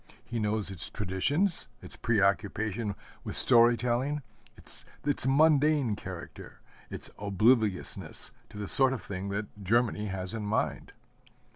He knows its traditions, its preoccupation with story telling, its mundane character, its obliviousness to the sort of thing that Germany has in mind.